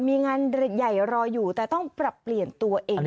มีงานใหญ่รออยู่แต่ต้องปรับเปลี่ยนตัวเอง